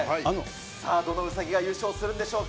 さあ、どのうさぎが優勝するんでしょうか。